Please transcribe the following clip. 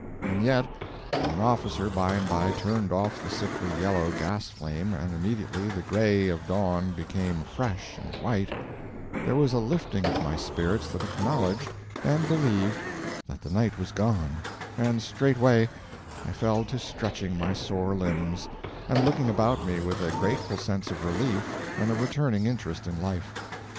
And yet, when an officer by and by turned off the sickly yellow gas flame, and immediately the gray of dawn became fresh and white, there was a lifting of my spirits that acknowledged and believed that the night was gone, and straightway I fell to stretching my sore limbs, and looking about me with a grateful sense of relief and a returning interest in life.